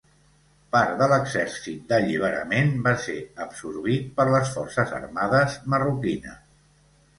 Part de l'Exèrcit d'Alliberament va ser absorbit per les forces armades marroquines.